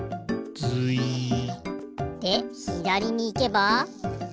ズイッ。でひだりにいけば。